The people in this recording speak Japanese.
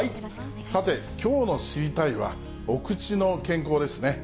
さて、きょうの知りたいッ！は、お口の健康ですね。